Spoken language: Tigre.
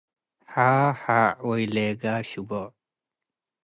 ሓሓዕ ወይሌጋ ሽቦ ።